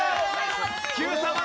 Ｑさま！！